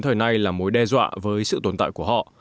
thời nay là mối đe dọa với sự tồn tại của họ